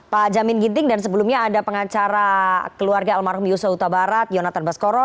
pak jamin ginting dan sebelumnya ada pengacara keluarga almarhum yusof utabarat yonathan baskoro